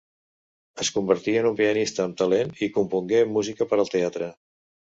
Es convertí en un pianista amb talent i compongué música per al teatre.